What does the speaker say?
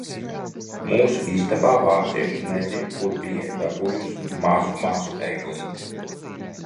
Mūsu istabā vācieši nezin kur bija dabūjuši mazu, mazu eglīti.